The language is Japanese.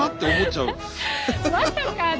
まさかね。